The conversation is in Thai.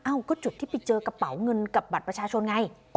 ก็จุดที่ไปเจอกระเป๋าเงินกับบัตรประชาชนไง